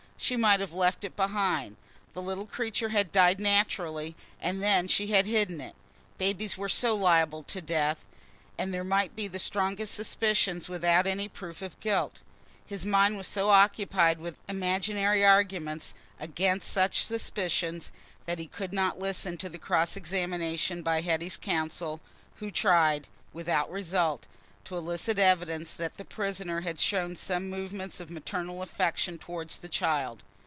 She might have left it behind. The little creature had died naturally, and then she had hidden it. Babies were so liable to death—and there might be the strongest suspicions without any proof of guilt. His mind was so occupied with imaginary arguments against such suspicions, that he could not listen to the cross examination by Hetty's counsel, who tried, without result, to elicit evidence that the prisoner had shown some movements of maternal affection towards the child.